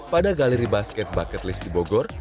pada galeri basket bucket list di bogor